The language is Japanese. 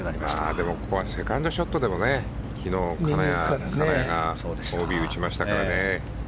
でも、ここはセカンドショットでも昨日、金谷がＯＢを打ちましたからね。